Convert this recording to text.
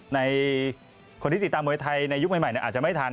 ในคนที่ติดตามมวยไทยในยุคใหม่อาจจะไม่ทัน